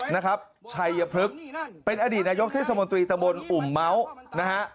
นะครับชัยพฤกษ์เป็นอดีตนายกเทศมนตรีตะบนอุ่มเมาส์นะฮะ